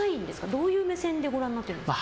どういう目線でご覧になってるんですか？